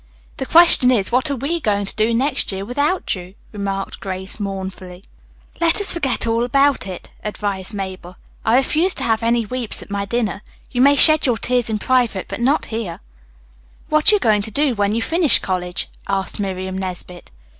"The question is, What are we going to do next year without you?" remarked Grace mournfully. "Let us forget all about it," advised Mabel. "I refuse to have any weeps at my dinner. You may shed your tears in private, but not here." "What are you going to do when you finish college?" asked Miriam Nesbit.